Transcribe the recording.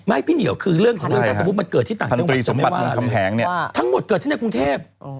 ไม่พี่เหนียวคือเรื่องที่สมมุติเกิดที่ต่างเทพฯไม่ว่าทั้งหมดเกิดที่ในกรุงเทพฯ